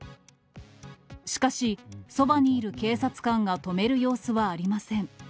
しかし、そばにいる警察官が止める様子はありません。